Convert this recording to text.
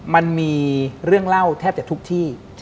มันมีเรื่องเล่าแทบจะทุกที่